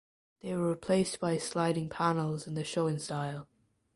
They were replaced by sliding panels in the Shoin style.